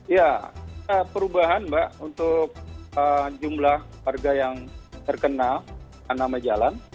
ya perubahan mbak untuk jumlah warga yang terkena nama jalan